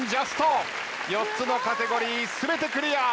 ４つのカテゴリー全てクリア。